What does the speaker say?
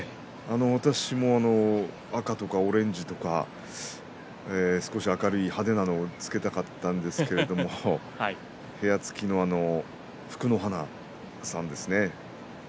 私も赤とかオレンジとか少し明るい派手なものをつけたかったんですけれども部屋付の福の花さんですね